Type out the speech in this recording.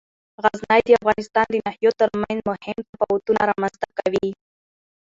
غزني د افغانستان د ناحیو ترمنځ مهم تفاوتونه رامنځ ته کوي.